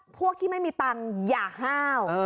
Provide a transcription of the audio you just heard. พวกที่ไม่มีตังค์อย่าห้าว